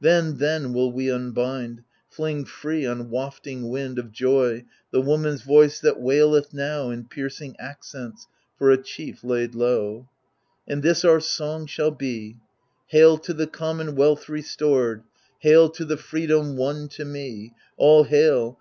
Then, then will we unbind. Fling free on wafting wind Of joy, the woman's voice that waileth now In piercing accents for a chief laid low ; And this oiu* song shall be — Hail to the commonwealth restored / Hail to the freedom won to me / All hail